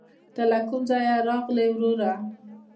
ته له کوم ځايه راغلې ؟ وروره